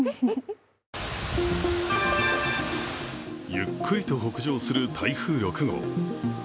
ゆっくりと北上する台風６号。